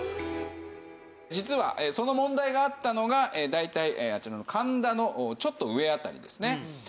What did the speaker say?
実はその問題があったのが大体あちらの神田のちょっと上辺りですね。